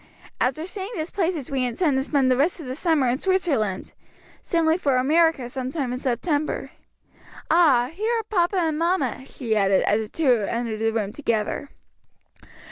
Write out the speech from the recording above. After seeing these places we intend to spend the rest of the summer in Switzerland, sailing for America some time in September. Ah, here are papa and mamma!" she added as the two entered the room together.